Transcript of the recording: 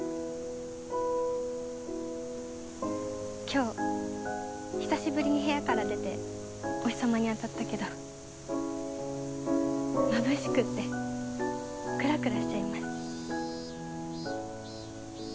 今日久しぶりに部屋から出てお日さまに当たったけどまぶしくってクラクラしちゃいます。